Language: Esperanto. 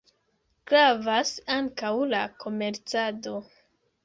Gravas ankaŭ la komercado.